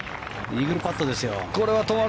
イーグルパットですよ。